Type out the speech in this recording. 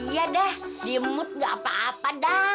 yaudah di umut gak apa apa dah